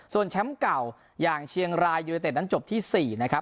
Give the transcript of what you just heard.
ส่วนแชมป์เก่าอย่างเชียงรายยูเนเต็ดนั้นจบที่๔นะครับ